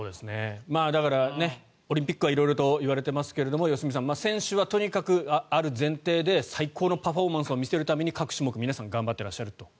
だから、オリンピックは色々といわれてますが選手はとにかくある前提で最高のパフォーマンスを見せるために各種目、皆さん頑張っていらっしゃると。